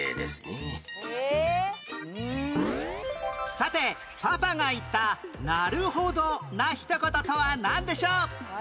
さてパパが言った「なるほど」な一言とはなんでしょう？